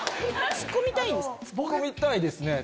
ツッコみたいですね。